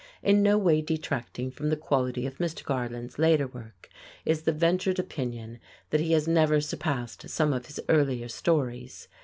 In no way detracting from the quality of Mr. Garland's later work is the ventured opinion that he has never surpassed some of his earlier stories.